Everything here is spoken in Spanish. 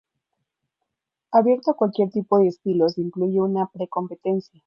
Abierto a cualquier tipo de estilos, incluye una pre competencia.